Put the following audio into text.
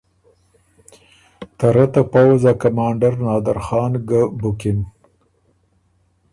ته رۀ ته پؤځ ا کمانډر نادرخان ګۀ بُکِن۔